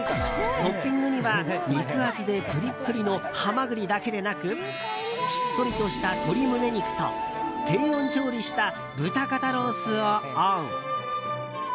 トッピングには肉厚でプリプリのハマグリだけでなくしっとりとした鶏胸肉と低温調理した豚肩ロースをオン。